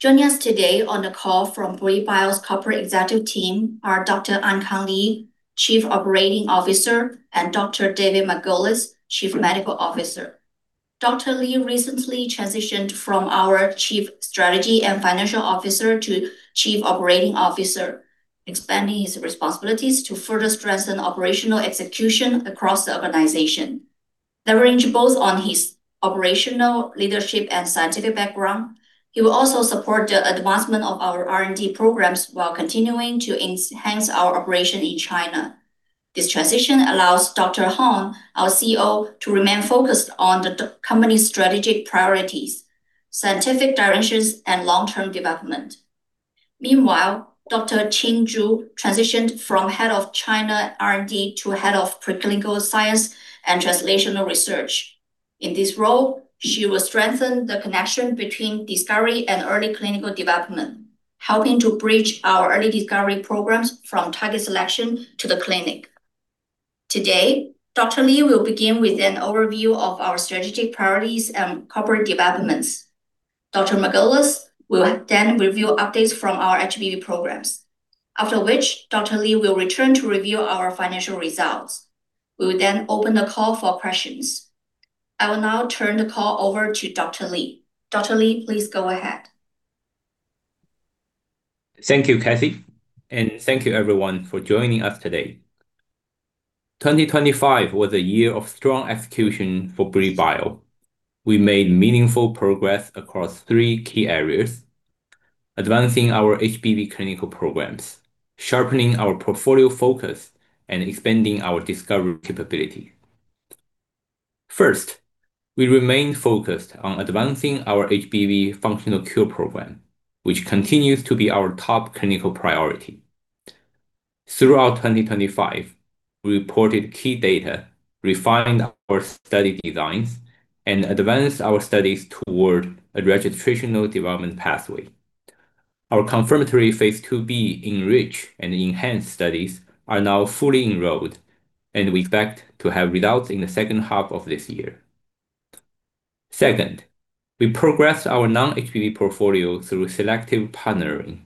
Joining us today on the call from Brii Bio's corporate executive team are Dr. Ankang Li, Chief Operating Officer, and Dr. David Margolis, Chief Medical Officer. Dr. Li recently transitioned from our Chief Strategy and Financial Officer to Chief Operating Officer, expanding his responsibilities to further strengthen operational execution across the organization. Leveraging both his operational leadership and scientific background, he will also support the advancement of our R&D programs while continuing to enhance our operation in China. This transition allows Zhi Hong, our CEO, to remain focused on the company strategic priorities, scientific directions, and long-term development. Meanwhile, Dr. Qing Zhu transitioned from Head of China R&D to Head of Preclinical Science and Translational Research. In this role, she will strengthen the connection between discovery and early clinical development, helping to bridge our early discovery programs from target selection to the clinic. Today, Dr. Li will begin with an overview of our strategic priorities and corporate developments. Dr. Margolis will then review updates from our HBV programs. After which, Dr. Li will return to review our financial results. We will then open the call for questions. I will now turn the call over to Dr. Li. Dr. Li, please go ahead. Thank you, Kathy, and thank you everyone for joining us today. 2025 was a year of strong execution for Brii Bio. We made meaningful progress across three key areas, advancing our HBV clinical programs, sharpening our portfolio focus, and expanding our discovery capability. First, we remain focused on advancing our HBV functional cure program, which continues to be our top clinical priority. Throughout 2025, we reported key data, refined our study designs, and advanced our studies toward a registrational development pathway. Our confirmatory Phase IIb ENRICH and ENHANCE studies are now fully enrolled, and we expect to have results in the second half of this year. Second, we progressed our non-HBV portfolio through selective partnering.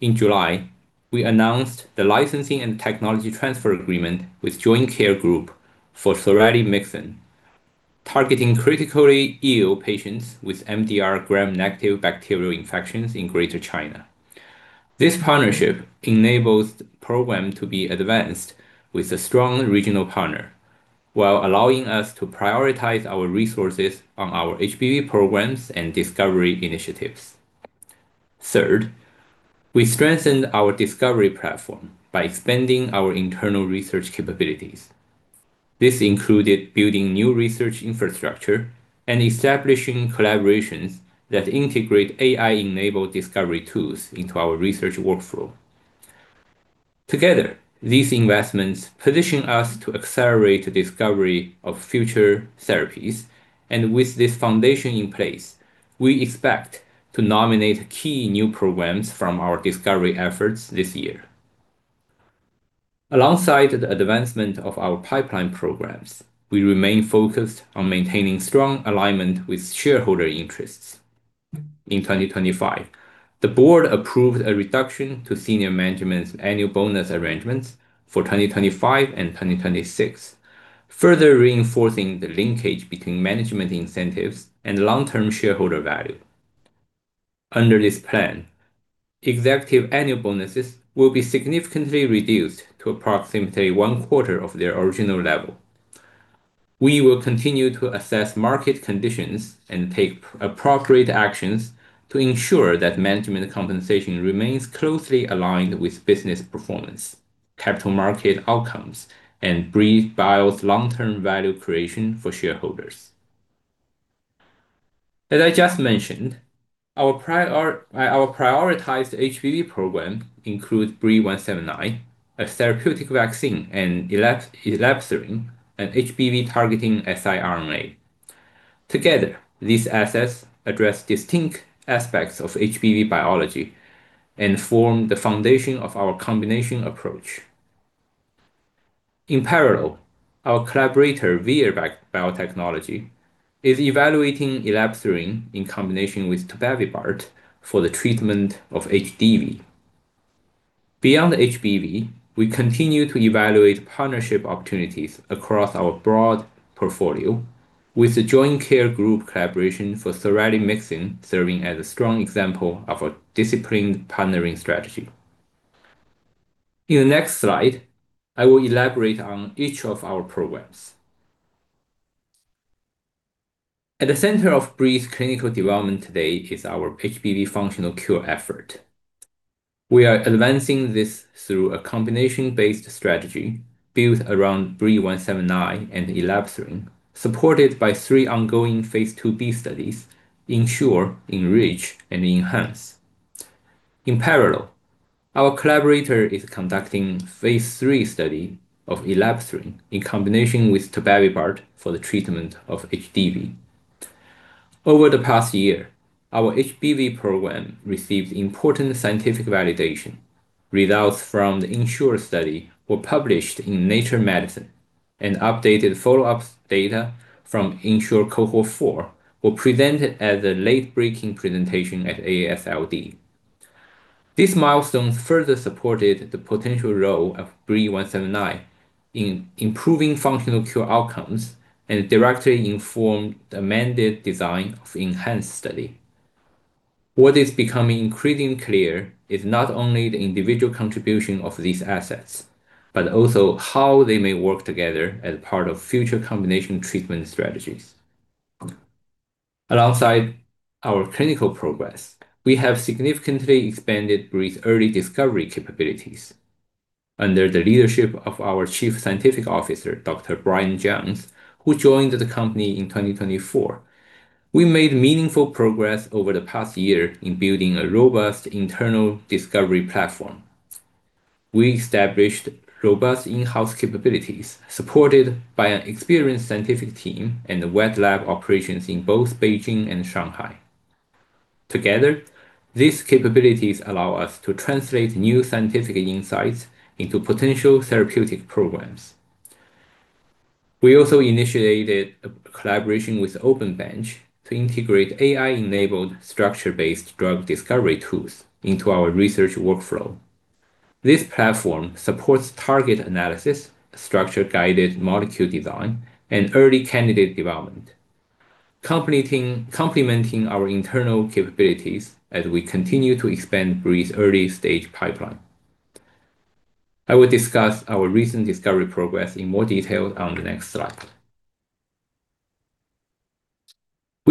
In July, we announced the licensing and technology transfer agreement with Joincare Group for soralimixin, targeting critically ill patients with MDR Gram-negative bacterial infections in Greater China. This partnership enables the program to be advanced with a strong regional partner while allowing us to prioritize our resources on our HBV programs and discovery initiatives. Third, we strengthened our discovery platform by expanding our internal research capabilities. This included building new research infrastructure and establishing collaborations that integrate AI-enabled discovery tools into our research workflow. Together, these investments position us to accelerate the discovery of future therapies. With this foundation in place, we expect to nominate key new programs from our discovery efforts this year. Alongside the advancement of our pipeline programs, we remain focused on maintaining strong alignment with shareholder interests. In 2025, the board approved a reduction to senior management's annual bonus arrangements for 2025 and 2026, further reinforcing the linkage between management incentives and long-term shareholder value. Under this plan, executive annual bonuses will be significantly reduced to approximately one quarter of their original level. We will continue to assess market conditions and take appropriate actions to ensure that management compensation remains closely aligned with business performance, capital market outcomes, and Brii Bio's long-term value creation for shareholders. As I just mentioned, our prioritized HBV program includes BRII-179, a therapeutic vaccine, and elebsiran, an HBV-targeting siRNA. Together, these assets address distinct aspects of HBV biology and form the foundation of our combination approach. In parallel, our collaborator Vir Biotechnology is evaluating elebsiran in combination with tobevibart for the treatment of HDV. Beyond HBV, we continue to evaluate partnership opportunities across our broad portfolio with the Joincare Group collaboration for soralimixin serving as a strong example of a disciplined partnering strategy. In the next slide, I will elaborate on each of our programs. At the center of Brii’s clinical development today is our HBV functional cure effort. We are advancing this through a combination-based strategy built around BRII-179 and elebsiran, supported by three ongoing phase IIb studies ENSURE, ENRICH, and ENHANCE. In parallel, our collaborator is conducting phase III study of elebsiran in combination with peginterferon alfa for the treatment of HBV. Over the past year, our HBV program received important scientific validation. Results from the ENSURE study were published in Nature Medicine and updated follow-up data from ENSURE Cohort 4 were presented as a late-breaking presentation at AASLD. This milestone further supported the potential role of BRII-179 in improving functional cure outcomes and directly informed the amended design of ENHANCE study. What is becoming increasingly clear is not only the individual contribution of these assets, but also how they may work together as part of future combination treatment strategies. Alongside our clinical progress, we have significantly expanded Brii’s early discovery capabilities. Under the leadership of our Chief Scientific Officer, Dr. Brian Johns, who joined the company in 2024, we made meaningful progress over the past year in building a robust internal discovery platform. We established robust in-house capabilities supported by an experienced scientific team and wet lab operations in both Beijing and Shanghai. Together, these capabilities allow us to translate new scientific insights into potential therapeutic programs. We also initiated a collaboration with OpenBench to integrate AI-enabled structure-based drug discovery tools into our research workflow. This platform supports target analysis, structure-guided molecule design, and early candidate development, complementing our internal capabilities as we continue to expand Brii’s early-stage pipeline. I will discuss our recent discovery progress in more detail on the next slide.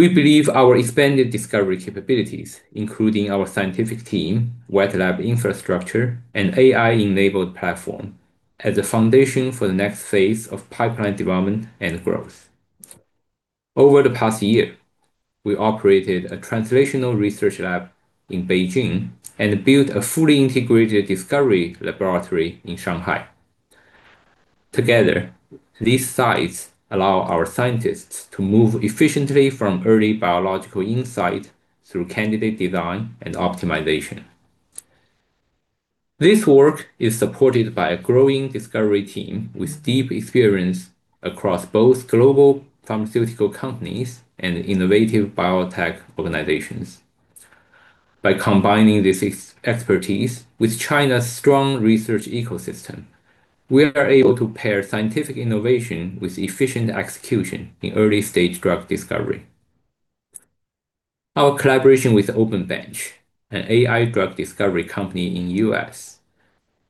We believe our expanded discovery capabilities, including our scientific team, wet lab infrastructure, and AI-enabled platform, as a foundation for the next phase of pipeline development and growth. Over the past year, we operated a translational research lab in Beijing and built a fully integrated discovery laboratory in Shanghai. Together, these sites allow our scientists to move efficiently from early biological insight through candidate design and optimization. This work is supported by a growing discovery team with deep experience across both global pharmaceutical companies and innovative biotech organizations. By combining this expertise with China's strong research ecosystem, we are able to pair scientific innovation with efficient execution in early-stage drug discovery. Our collaboration with OpenBench, an AI drug discovery company in U.S.,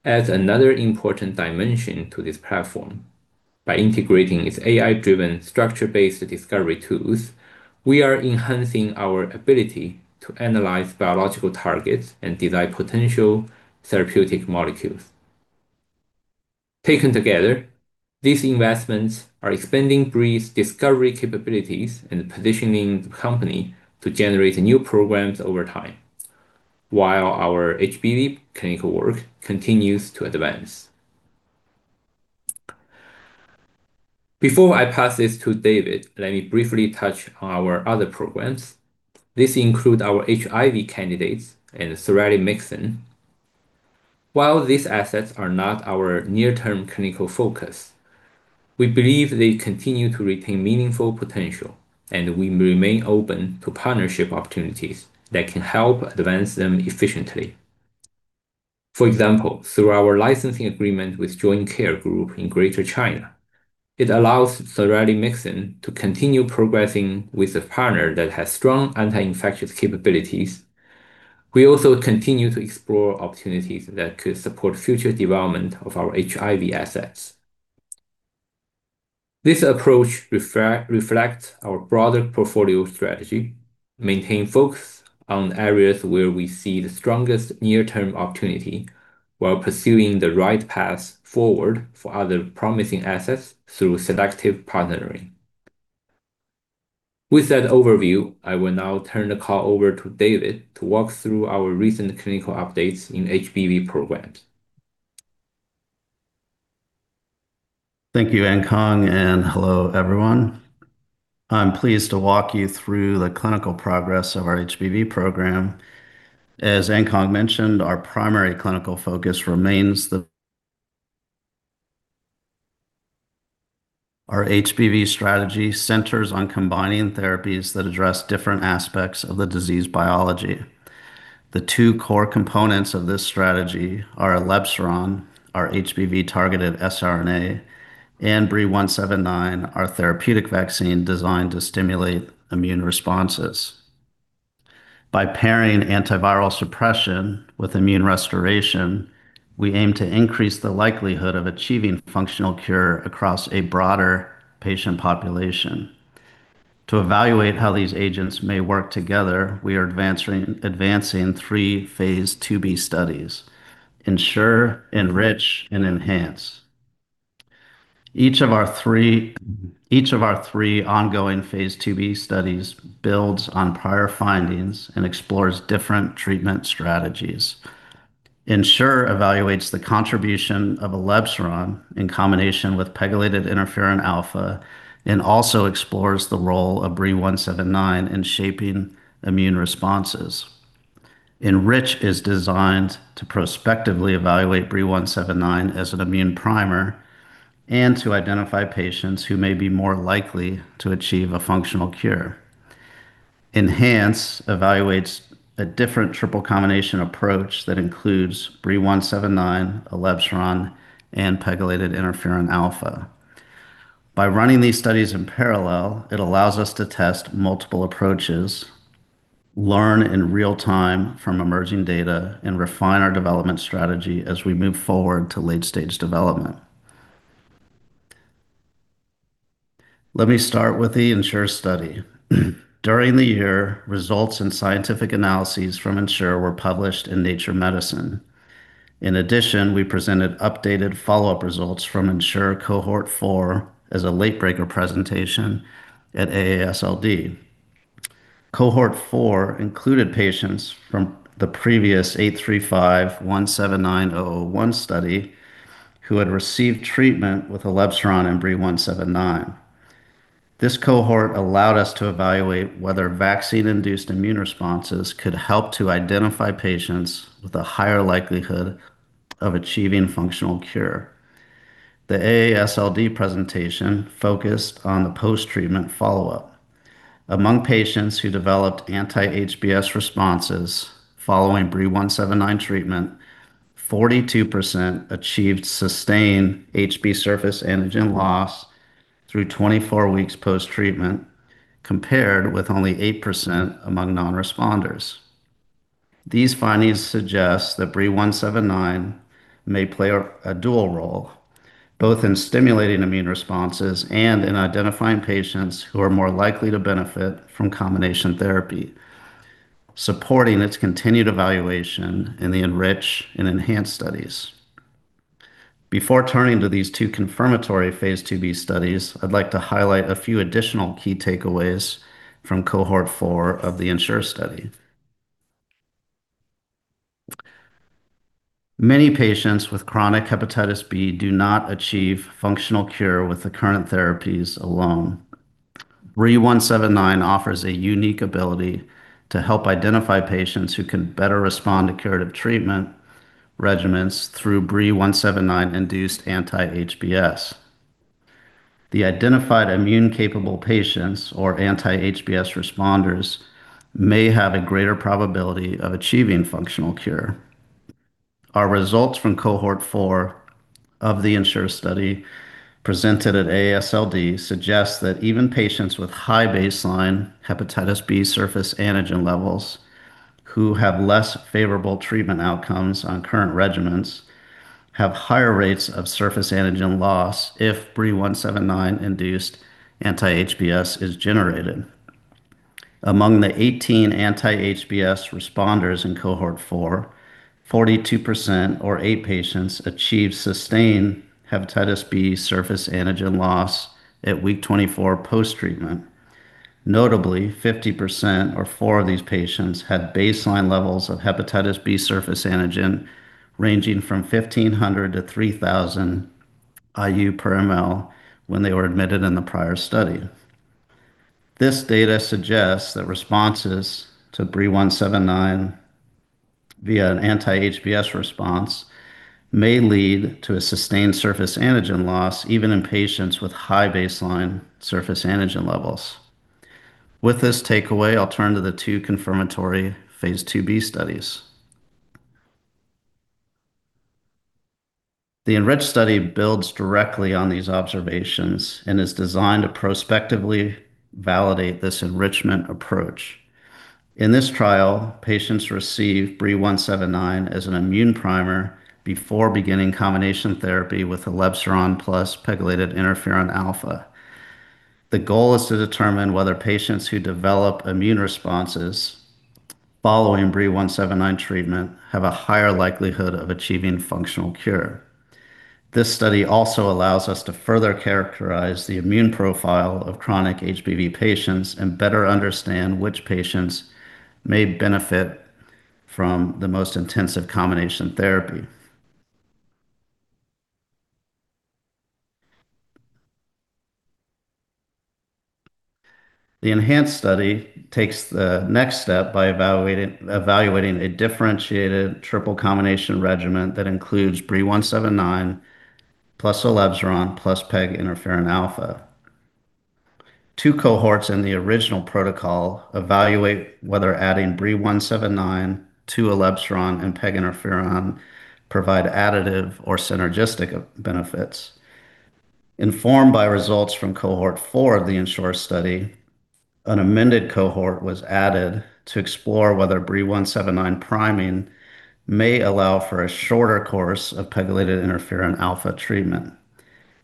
adds another important dimension to this platform. By integrating its AI-driven structure-based discovery tools, we are enhancing our ability to analyze biological targets and design potential therapeutic molecules. Taken together, these investments are expanding Brii’s discovery capabilities and positioning the company to generate new programs over time while our HBV clinical work continues to advance. Before I pass this to David, let me briefly touch on our other programs. This includes our HIV candidates and soralimixin. While these assets are not our near-term clinical focus, we believe they continue to retain meaningful potential, and we remain open to partnership opportunities that can help advance them efficiently. For example, through our licensing agreement with Joincare Group in Greater China, it allows soralimixin to continue progressing with a partner that has strong anti-infectious capabilities. We also continue to explore opportunities that could support future development of our HIV assets. This approach reflects our broader portfolio strategy, maintain focus on areas where we see the strongest near-term opportunity while pursuing the right path forward for other promising assets through selective partnering. With that overview, I will now turn the call over to David to walk through our recent clinical updates in HBV programs. Thank you, Ankang, and hello, everyone. I'm pleased to walk you through the clinical progress of our HBV program. As Ankang mentioned, our primary clinical focus remains our HBV strategy centers on combining therapies that address different aspects of the disease biology. The two core components of this strategy are elebsiran, our HBV-targeted siRNA, and BRII-179, our therapeutic vaccine designed to stimulate immune responses. By pairing antiviral suppression with immune restoration, we aim to increase the likelihood of achieving functional cure across a broader patient population. To evaluate how these agents may work together, we are advancing three phase IIb studies: ENSURE, ENRICH, and ENHANCE. Each of our three ongoing phase IIb studies builds on prior findings and explores different treatment strategies. ENSURE evaluates the contribution of elebsiran in combination with pegylated interferon alpha and also explores the role of BRII-179 in shaping immune responses. ENRICH is designed to prospectively evaluate BRII-179 as an immune primer and to identify patients who may be more likely to achieve a functional cure. ENHANCE evaluates a different triple combination approach that includes BRII-179, elebsiran, and pegylated interferon alpha. By running these studies in parallel, it allows us to test multiple approaches, learn in real time from emerging data, and refine our development strategy as we move forward to late-stage development. Let me start with the ENSURE study. During the year, results and scientific analyses from ENSURE were published in Nature Medicine. In addition, we presented updated follow-up results from ENSURE Cohort 4 as a late breaker presentation at AASLD. Cohort 4 included patients from the previous 835-179-001 study who had received treatment with elebsiran and BRII-179. This cohort allowed us to evaluate whether vaccine-induced immune responses could help to identify patients with a higher likelihood of achieving functional cure. The AASLD presentation focused on the post-treatment follow-up. Among patients who developed anti-HBs responses following BRII-179 treatment, 42% achieved sustained HBsAg loss through 24 weeks post-treatment, compared with only 8% among non-responders. These findings suggest that BRII-179 may play a dual role, both in stimulating immune responses and in identifying patients who are more likely to benefit from combination therapy, supporting its continued evaluation in the ENRICH and ENHANCE studies. Before turning to these two confirmatory Phase IIb studies, I'd like to highlight a few additional key takeaways from Cohort 4 of the ENSURE study. Many patients with chronic hepatitis B do not achieve functional cure with the current therapies alone. BRII-179 offers a unique ability to help identify patients who can better respond to curative treatment regimens through BRII-179-induced anti-HBs. The identified immune-capable patients, or anti-HBs responders, may have a greater probability of achieving functional cure. Our results from Cohort 4 of the ENSURE study presented at AASLD suggest that even patients with high baseline hepatitis B surface antigen levels who have less favorable treatment outcomes on current regimens have higher rates of surface antigen loss if BRII-179-induced anti-HBs is generated. Among the 18 anti-HBs responders in Cohort 4, 42%, or 8 patients, achieved sustained hepatitis B surface antigen loss at week 24 post-treatment. Notably, 50%, or 4 of these patients, had baseline levels of hepatitis B surface antigen ranging from 1,500 to 3,000 IU/mL when they were admitted in the prior study. This data suggests that responses to BRII-179 via an anti-HBs response may lead to a sustained surface antigen loss even in patients with high baseline surface antigen levels. With this takeaway, I'll turn to the two confirmatory phase IIb studies. The ENRICH study builds directly on these observations and is designed to prospectively validate this enrichment approach. In this trial, patients receive BRII-179 as an immune primer before beginning combination therapy with elebsiran plus pegylated interferon alpha. The goal is to determine whether patients who develop immune responses following BRII-179 treatment have a higher likelihood of achieving functional cure. This study also allows us to further characterize the immune profile of chronic HBV patients and better understand which patients may benefit from the most intensive combination therapy. The ENHANCE study takes the next step by evaluating a differentiated triple combination regimen that includes BRII-179 plus elebsiran plus peg interferon alpha. Two cohorts in the original protocol evaluate whether adding BRII-179 to elebsiran and peg interferon provide additive or synergistic benefits. Informed by results from Cohort 4 of the ENSURE study, an amended cohort was added to explore whether BRII-179 priming may allow for a shorter course of pegylated interferon alpha treatment.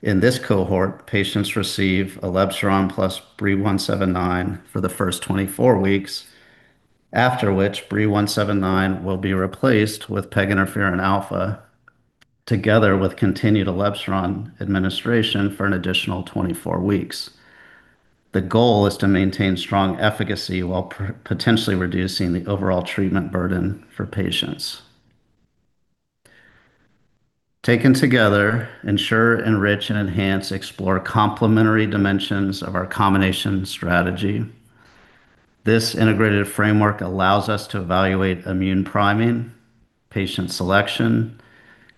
In this cohort, patients receive elebsiran plus BRII-179 for the first 24 weeks, after which BRII-179 will be replaced with peginterferon alfa together with continued elebsiran administration for an additional 24 weeks. The goal is to maintain strong efficacy while potentially reducing the overall treatment burden for patients. Taken together, ENSURE, ENRICH, and ENHANCE explore complementary dimensions of our combination strategy. This integrated framework allows us to evaluate immune priming, patient selection,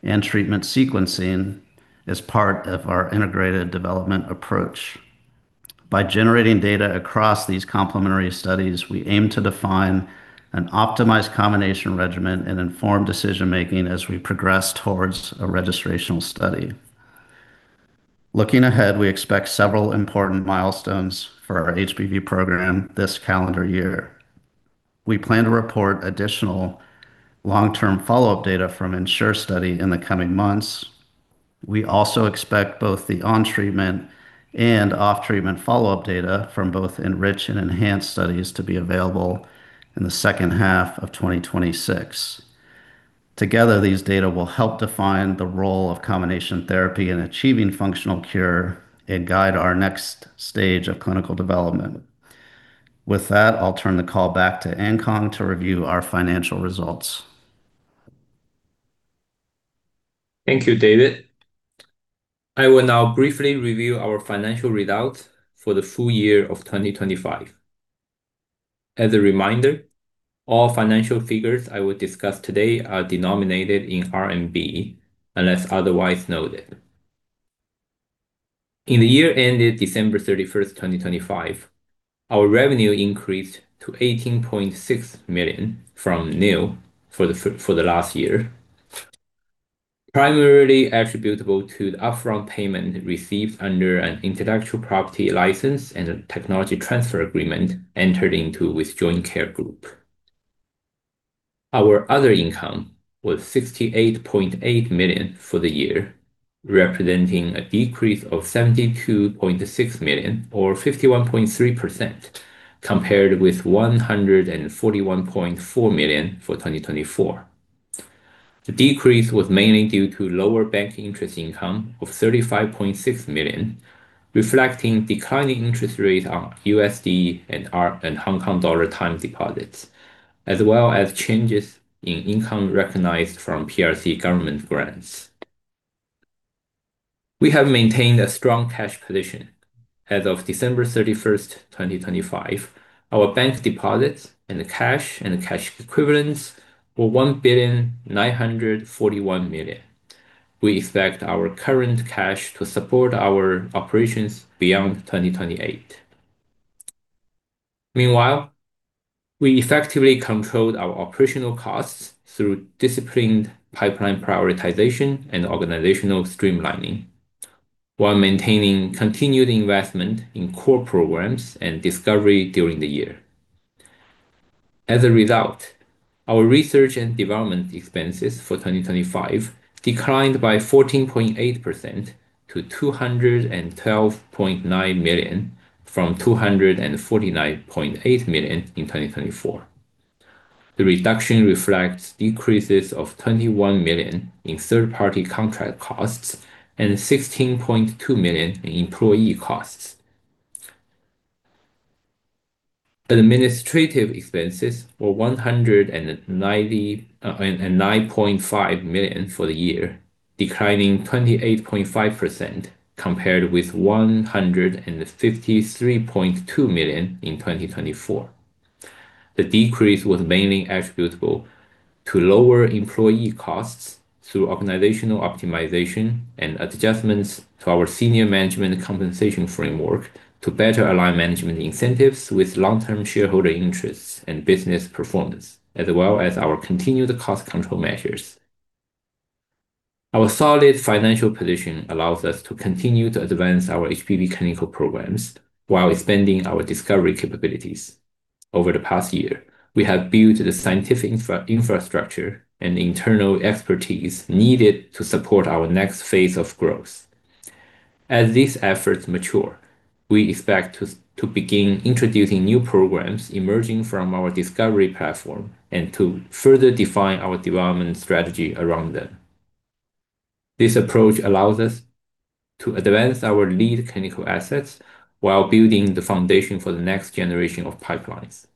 and treatment sequencing as part of our integrated development approach. By generating data across these complementary studies, we aim to define an optimized combination regimen and inform decision-making as we progress towards a registrational study. Looking ahead, we expect several important milestones for our HBV program this calendar year. We plan to report additional long-term follow-up data from ENSURE study in the coming months. We also expect both the on-treatment and off-treatment follow-up data from both ENRICH and ENHANCE studies to be available in the second half of 2026. Together, these data will help define the role of combination therapy in achieving functional cure and guide our next stage of clinical development. With that, I'll turn the call back to Ankang to review our financial results. Thank you, David. I will now briefly review our financial results for the full year of 2025. As a reminder, all financial figures I will discuss today are denominated in RMB unless otherwise noted. In the year ended December 31, 2025, our revenue increased to 18.6 million from 0 for the last year, primarily attributable to the upfront payment received under an intellectual property license and a technology transfer agreement entered into with Joincare Group. Our other income was 68.8 million for the year, representing a decrease of 72.6 million or 51.3% compared with 141.4 million for 2024. The decrease was mainly due to lower bank interest income of 35.6 million, reflecting declining interest rates on USD and Hong Kong dollar time deposits, as well as changes in income recognized from PRC government grants. We have maintained a strong cash position. As of December 31, 2025, our bank deposits and cash and cash equivalents were 1,941 million. We expect our current cash to support our operations beyond 2028. Meanwhile, we effectively controlled our operational costs through disciplined pipeline prioritization and organizational streamlining while maintaining continued investment in core programs and discovery during the year. As a result, our research and development expenses for 2025 declined by 14.8% to 212.9 million from 249.8 million in 2024. The reduction reflects decreases of 21 million in third-party contract costs and 16.2 million in employee costs. Administrative expenses were 199.5 million for the year, declining 28.5% compared with 153.2 million in 2024. The decrease was mainly attributable to lower employee costs through organizational optimization and adjustments to our senior management compensation framework to better align management incentives with long-term shareholder interests and business performance, as well as our continued cost control measures. Our solid financial position allows us to continue to advance our HBV clinical programs while expanding our discovery capabilities. Over the past year, we have built the scientific infrastructure and internal expertise needed to support our next phase of growth. As these efforts mature, we expect to begin introducing new programs emerging from our discovery platform and to further define our development strategy around them. This approach allows us to advance our lead clinical assets while building the foundation for the next generation of pipelines.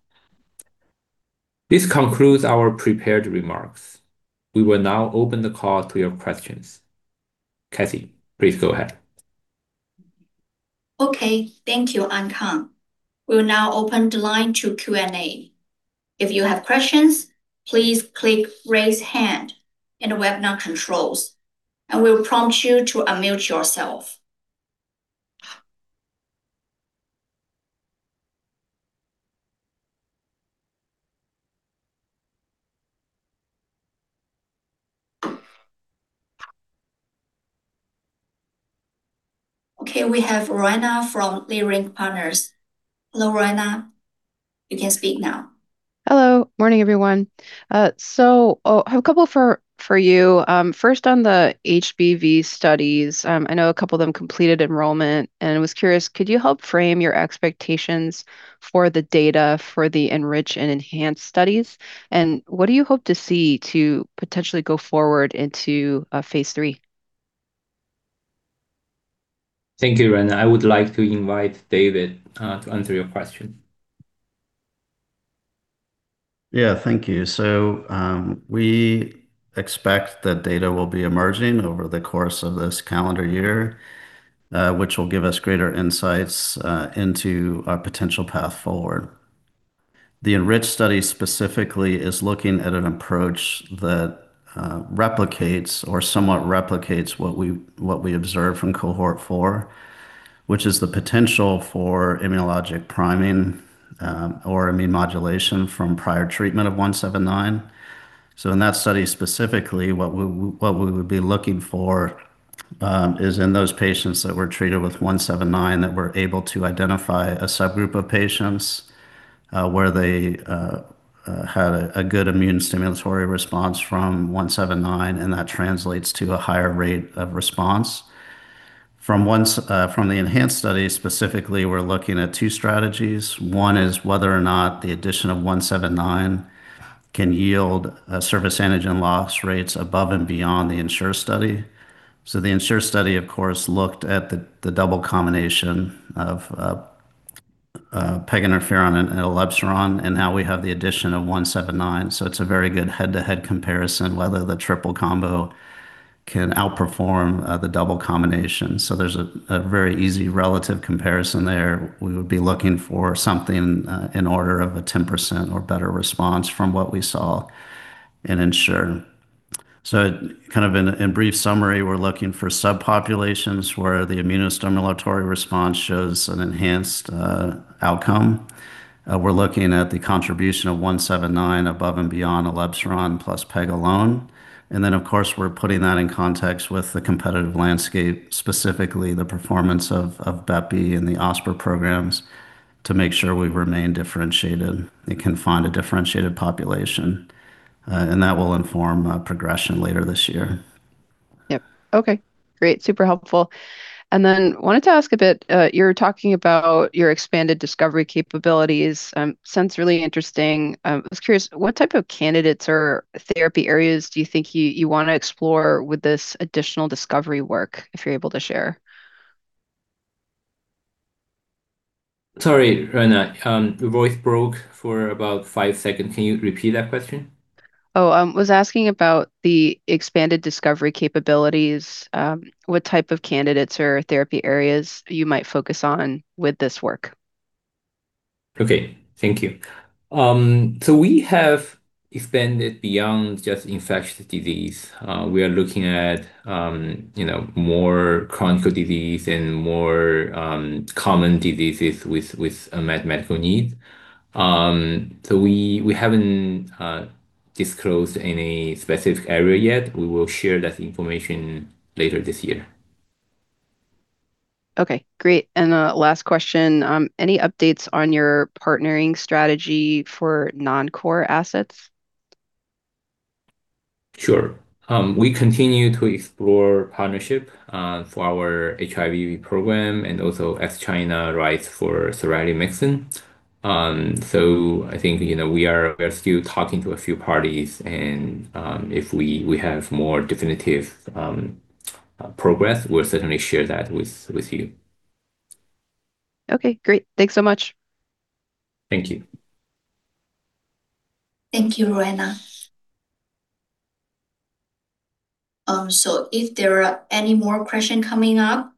This concludes our prepared remarks. We will now open the call to your questions. Kathy, please go ahead. Okay. Thank you, Ankang. We will now open the line to Q&A. If you have questions, please click Raise Hand in the webinar controls, and we will prompt you to unmute yourself. Okay, we have Roanna from Leerink Partners. Hello, Roanna. You can speak now. Hello. Morning, everyone. I have a couple for you. First on the HBV studies. I know a couple of them completed enrollment, and I was curious, could you help frame your expectations for the data for the ENRICH and ENHANCE studies? What do you hope to see to potentially go forward into phase III? Thank you, Roanna. I would like to invite David to answer your question. Yeah. Thank you. We expect that data will be emerging over the course of this calendar year, which will give us greater insights into a potential path forward. The ENRICH study specifically is looking at an approach that replicates or somewhat replicates what we observe from Cohort 4, which is the potential for immunologic priming or immune modulation from prior treatment of 179. In that study specifically, what we would be looking for is in those patients that were treated with 179 that we're able to identify a subgroup of patients where they had a good immune stimulatory response from 179, and that translates to a higher rate of response. From the ENHANCE study specifically, we're looking at two strategies. One is whether or not the addition of 179 can yield a surface antigen loss rates above and beyond the ENSURE study. The ENSURE study, of course, looked at the double combination of peg interferon and elebsiran, and now we have the addition of 179. It's a very good head-to-head comparison whether the triple combo can outperform the double combination. There's a very easy relative comparison there. We would be looking for something in order of a 10% or better response from what we saw in ENSURE. Kind of in brief summary, we're looking for subpopulations where the immunostimulatory response shows an enhanced outcome. We're looking at the contribution of 179 above and beyond elebsiran plus peg alone. Of course, we're putting that in context with the competitive landscape, specifically the performance of bepirovirsen and the [xalnesiran] programs to make sure we remain differentiated and can find a differentiated population. That will inform progression later this year. Yep. Okay, great. Super helpful. Wanted to ask a bit, you're talking about your expanded discovery capabilities, sounds really interesting. I was curious, what type of candidates or therapy areas do you think you wanna explore with this additional discovery work, if you're able to share? Sorry, Roanna. Your voice broke for about five seconds. Can you repeat that question? Was asking about the expanded discovery capabilities, what type of candidates or therapy areas you might focus on with this work. Okay. Thank you. We have expanded beyond just infectious disease. We are looking at, you know, more chronic disease and more common diseases with unmet medical needs. We haven't disclosed any specific area yet. We will share that information later this year. Okay, great. Last question. Any updates on your partnering strategy for non-core assets? Sure. We continue to explore partnership for our HIV program and also as China rights for soralimixin. I think, you know, we are still talking to a few parties and if we have more definitive progress, we'll certainly share that with you. Okay, great. Thanks so much. Thank you. Thank you, Roanna. If there are any more question coming up,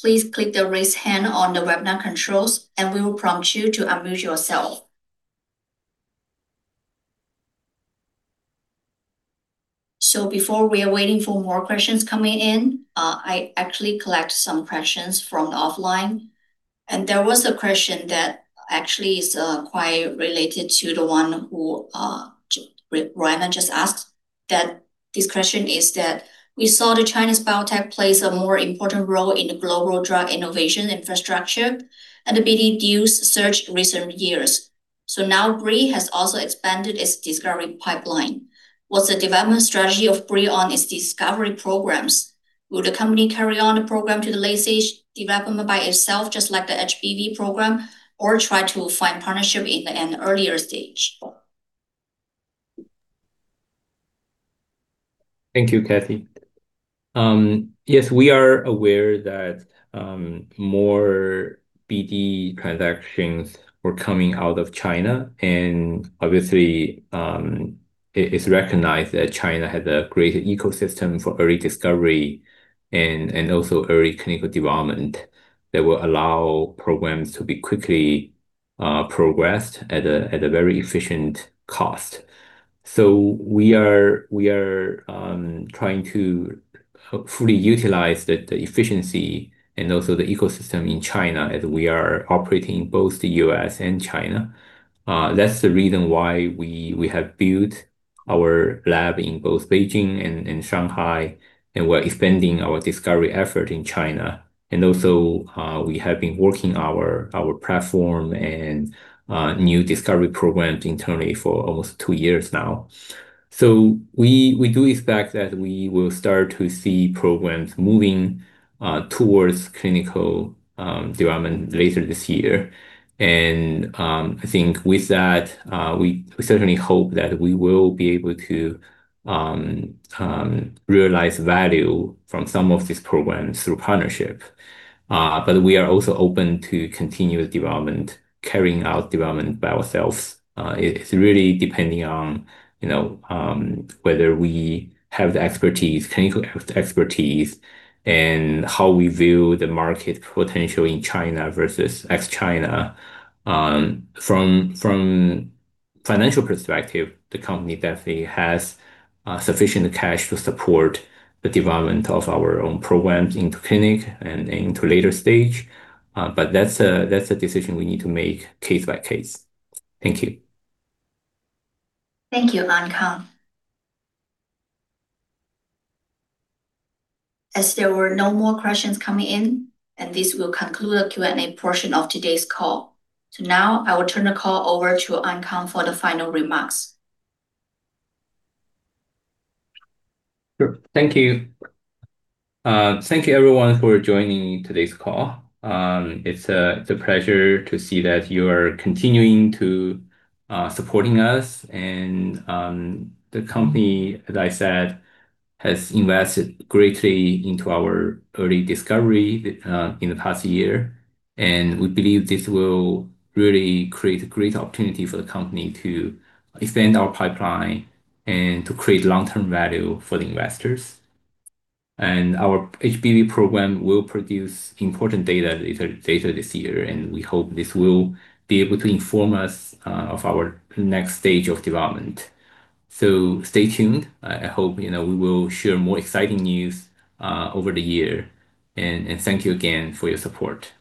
please click the Raise Hand on the webinar controls, and we will prompt you to unmute yourself. Before we are waiting for more questions coming in, I actually collect some questions from the offline. There was a question that actually is quite related to the one who Roanna just asked, that this question is that we saw the Chinese biotech plays a more important role in the global drug innovation infrastructure, and the BD deals surged recent years. Now Brii has also expanded its discovery pipeline. What's the development strategy of Brii on its discovery programs? Will the company carry on the program to the late stage development by itself, just like the HBV program, or try to find partnership in an earlier stage? Thank you, Kathy. Yes, we are aware that more BD transactions were coming out of China and obviously, it's recognized that China has a greater ecosystem for early discovery and also early clinical development that will allow programs to be quickly progressed at a very efficient cost. We are trying to fully utilize the efficiency and also the ecosystem in China as we are operating both the US and China. That's the reason why we have built our lab in both Beijing and Shanghai, and we're expanding our discovery effort in China. Also, we have been working our platform and new discovery programs internally for almost two years now. We do expect that we will start to see programs moving towards clinical development later this year. I think with that, we certainly hope that we will be able to realize value from some of these programs through partnership. We are also open to continuous development, carrying out development by ourselves. It's really depending on, you know, whether we have the expertise, clinical expertise and how we view the market potential in China versus ex-China. From financial perspective, the company definitely has sufficient cash to support the development of our own programs into clinic and into later stage. That's a decision we need to make case by case. Thank you. Thank you, Ankang. As there were no more questions coming in, and this will conclude the Q&A portion of today's call. Now I will turn the call over to Ankang for the final remarks. Sure. Thank you. Thank you everyone for joining today's call. It's a pleasure to see that you are continuing to supporting us and the company, as I said, has invested greatly into our early discovery in the past year. We believe this will really create a great opportunity for the company to extend our pipeline and to create long-term value for the investors. Our HBV program will produce important data later this year, and we hope this will be able to inform us of our next stage of development. Stay tuned. I hope, you know, we will share more exciting news over the year. Thank you again for your support.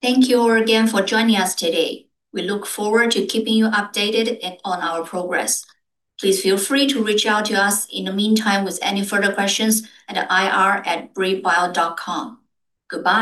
Thank you all again for joining us today. We look forward to keeping you updated on our progress. Please feel free to reach out to us in the meantime with any further questions at ir@briibio.com. Goodbye.